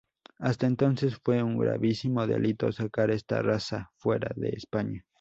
Hasta entonces fue un gravísimo delito sacar esta raza fuera de España.